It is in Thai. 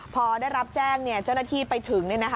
พอได้รับแจ้งเจ้าหน้าที่ไปถึง